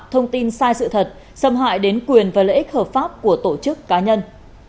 thông tin sai sự thật xâm hại đến quyền và lợi ích hợp pháp của tổ chức cá nhân